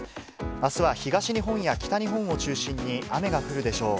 あすは東日本や北日本を中心に雨が降るでしょう。